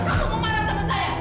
kamu memarah sama saya